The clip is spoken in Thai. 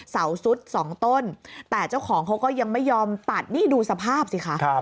สุดสองต้นแต่เจ้าของเขาก็ยังไม่ยอมตัดนี่ดูสภาพสิคะ